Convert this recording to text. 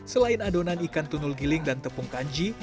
selain adonan ikan tunul giling dan tepung kanji